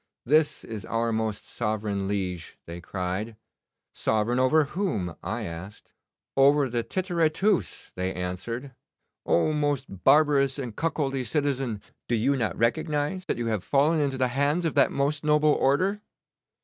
"This is our most sovereign liege," they cried. "Sovereign over whom?" I asked. "Over the Tityre Tus," they answered. "Oh, most barbarous and cuckoldy citizen, do you not recognise that you have fallen into the hands of that most noble order?"